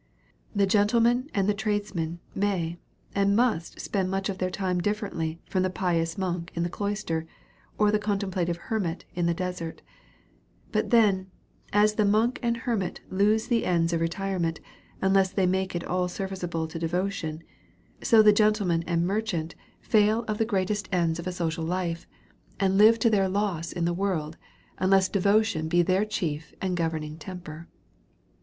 The gentleman and tradesman may, and must spend much of their time differently from the pious monk in the cloister, or the contemplative hermit in the desart : But then, as the monk and hermit lose the ends of re tirement, unless they make it all serviceable to devo tion ; so the gentleman and merchant fail of the great S70 A SERIOUS CALL TO A est ends of a social life^ and live to tlieir loss in the \vorld_, unless devotion be their chief and governing temper.